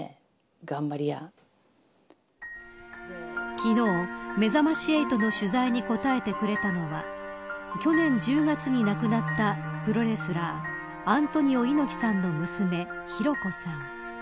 昨日、めざまし８の取材に答えてくれたのは去年１０月に亡くなったプロレスラーアントニオ猪木さんの娘寛子さん。